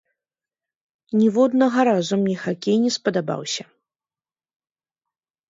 Ніводнага разу мне хакей не спадабаўся.